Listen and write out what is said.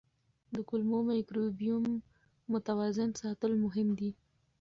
د کولمو مایکروبیوم متوازن ساتل مهم دي.